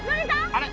あれ？